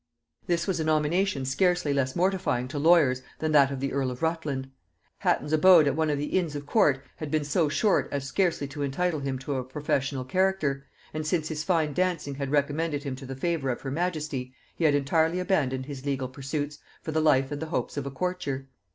This was a nomination scarcely less mortifying to lawyers than that of the earl of Rutland. Hatton's abode at one of the inns of court had been so short as scarcely to entitle him to a professional character; and since his fine dancing had recommended him to the favor of her majesty, he had entirely abandoned his legal pursuits for the life and the hopes of a courtier.